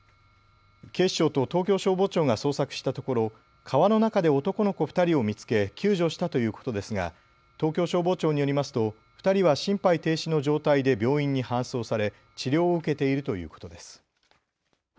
警視庁と東京消防庁が捜索したところ、川の中で男の子２人を見つけ救助したということですが東京消防庁によりますと２人は心肺停止の状態で病院に搬送され治療を受けているということです。